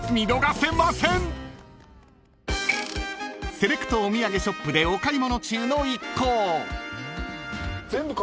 ［セレクトお土産ショップでお買い物中の一行］